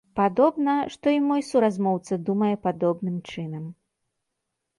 Падобна, што і мой суразмоўца думае падобным чынам.